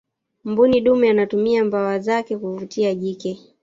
mbuni dume anatumia mbawa zake kumvutia jike